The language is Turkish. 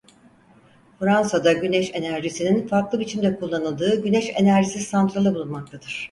Fransa'da güneş enerjisinin farklı biçimde kullanıldığı güneş enerjisi santrali bulunmaktadır.